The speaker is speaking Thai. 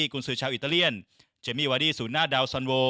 กุญสือชาวอิตาเลียนเจมมี่วาดี้ศูนย์หน้าดาวซอนโว